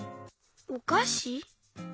「おかし」？